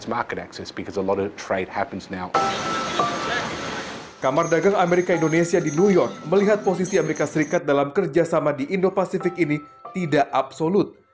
negara anggota ipf yang dipercaya sebagai negara yang berpengaruh untuk memperkenalkan kebijakan tidak akan bisa berpengaruh untuk memperkenalkan kebijakan kamar dagang amerika indonesia di new york melihat posisi amerika serikat dalam kerjasama di indo pasifik ini tidak absolut